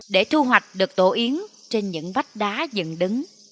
để thu hoạch được tổ yến trên những vách đá dần đứng